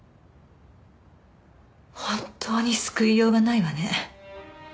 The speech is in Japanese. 本当に救いようがないわね。